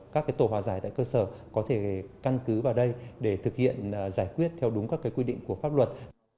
các tổ hòa giải tại cơ sở có thể căn cứ vào đây để thực hiện giải quyết theo đúng các quy định của pháp luật